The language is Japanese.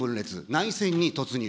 内戦に突入。